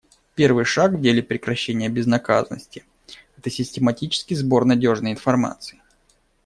Первый шаг в деле прекращения безнаказанности — это систематический сбор надежной информации.